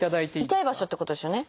痛い場所ってことですよね。